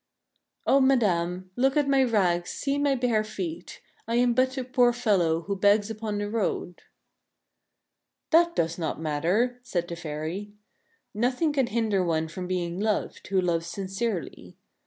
" O madame, look at my rags, see my bare feet. I am but a poor fellow who begs upon the road." " That does not matter," said the fairy. " Nothing can hinder one from being loved, who loves sincerely.